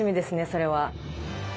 それは。